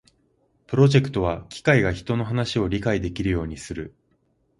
プロジェクトは機械が人の話を理解できるようにする